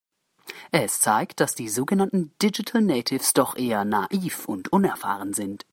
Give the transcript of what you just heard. Es zeigt, dass die sogenannten Digital Natives doch eher naiv und unerfahren sind.